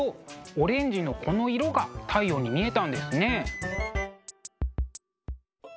オレンジのこの色が太陽に見えたんですね。